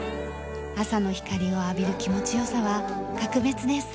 朝の光を浴びる気持ち良さは格別です。